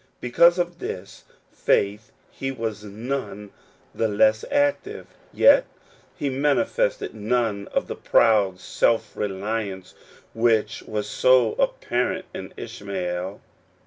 Because of this faith he was none the less active ; yet he manifested none of the proud self reliance which was so appar ent in Ishmael.